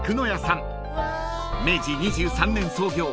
［明治２３年創業］